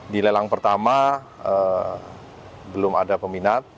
di lelang pertama belum ada peminat